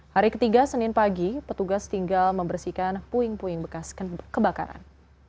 hari ketiga senin pagi petugas tinggal membersihkan puing puing bekas kebakaran